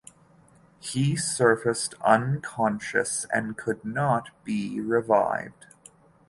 He surfaced unconscious and could not be revived.